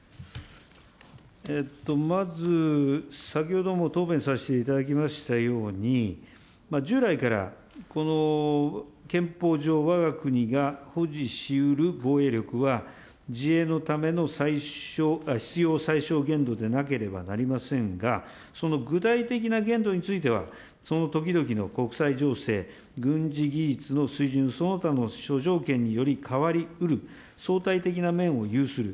まず、先ほども答弁させていただきましたように、従来からこの憲法上、わが国が保持しうる防衛力は自衛のための必要最小限度でなければなりませんが、その具体的な限度については、その時々の国際情勢、軍事技術の水準、その他の諸条件により変わりうる、そうたい的な面を有する。